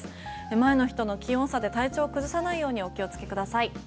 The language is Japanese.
前の日との気温差で体調を崩さないようにお気をつけください。